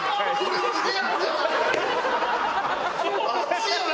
熱いよな！